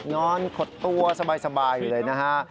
นอนขดตัวสบายเลยนะฮะ